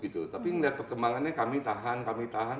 tapi melihat perkembangannya kami tahan kami tahan